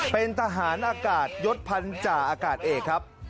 เป็นทหารอากาศยศพันธาอากาศเอกครับ